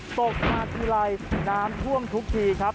ตกหน้าทีลัยน้ำท่วมทุกทีครับ